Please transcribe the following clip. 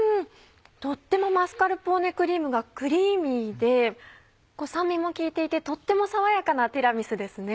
とってもマスカルポーネクリームがクリーミーで酸味も効いていてとっても爽やかなティラミスですね。